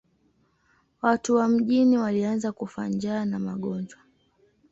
Watu wa mjini walianza kufa njaa na magonjwa.